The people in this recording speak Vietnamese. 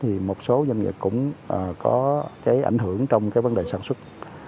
thì một số doanh nghiệp cũng có ảnh hưởng trong vấn đề sản xuất